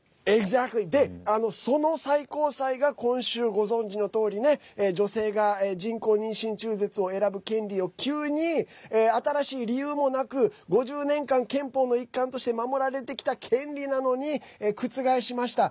その最高裁が今週、ご存じのとおりね女性が人工妊娠中絶を選ぶ権利を急に新しい理由もなく５０年間、憲法の一環として守られてきた権利なのに覆しました。